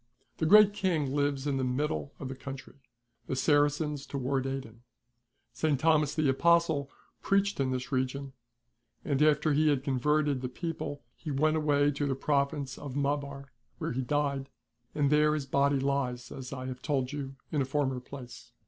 The Great King lives in the middle of the country ; the Saracens towards Aden. St. Thomas the Apostle preached in this region, and after he had converted the people he went away to the province of Maabar where he died ; and there his body lies, as I have told you in a former place.